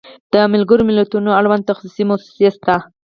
د ملګرو ملتونو اړوند تخصصي موسسې شته.